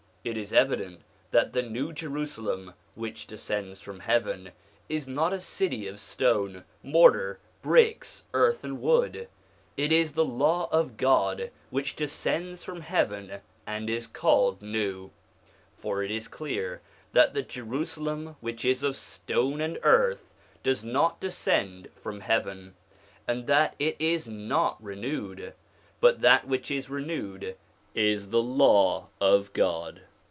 It is evident that the New Jerusalem which descends from heaven is not a city of stone, mortar, bricks, earth, and wood. It is the Law of God which descends from heaven and is called new; for it is clear that the Jerusalem which is of stone and earth does not descend from heaven, and that it is not renewed; but that which is renewed is the Law of God.